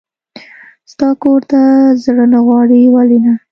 ستا کور ته زړه نه غواړي؟ ولې نه.